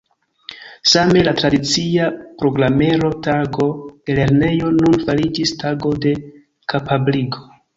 Same la tradicia programero Tago de lernejo nun fariĝis Tago de kapabligo.